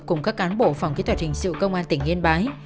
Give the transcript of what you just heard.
cùng các cán bộ phòng kỹ thuật hình sự công an tỉnh yên bái